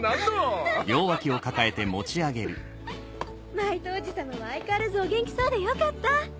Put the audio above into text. マイトおじ様は相変わらずお元気そうでよかった。